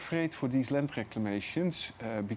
saya agak takut dengan reklamasi tanah ini